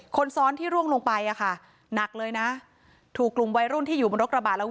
คนซ้อนที่ร่วงลงไปนักเลยนะถูกกลุ่มวัยรุ่นที่อยู่บนรถกระบะ